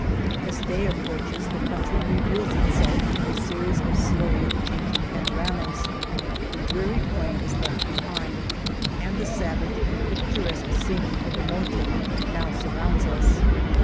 As day approaches, the country reveals it self in a series of slowly changing panoramas. The dreary plain is left behind, and the sav age and picturesque scenery of the Monte now surrounds us.